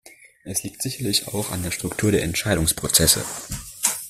Es liegt sicherlich auch an der Struktur der Entscheidungsprozesse.